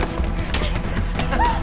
あっ！